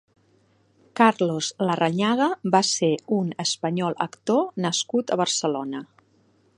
Carlos Larrañaga va ser un spañol actor nascut a Barcelona.